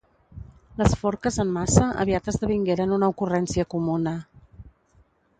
Les forques en massa aviat esdevingueren una ocurrència comuna.